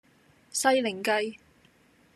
西檸雞